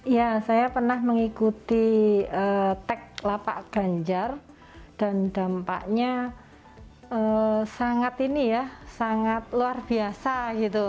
ya saya pernah mengikuti tek lapak ganjar dan dampaknya sangat ini ya sangat luar biasa gitu